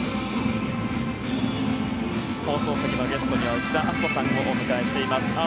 放送席のゲストに内田篤人さんをお迎えしています。